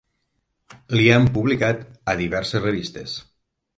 Li han publicat a diverses revistes.